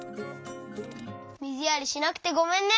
みずやりしなくてごめんね！